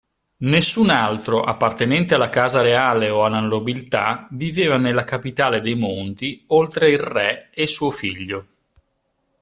Nessun altro appartenente alla casa reale o alla nobiltà viveva nella capitale dei monti oltre il re e suo figlio.